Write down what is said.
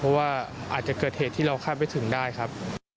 เพราะว่าอาจจะเกิดเหตุที่เราคาดไม่ถึงได้ครับ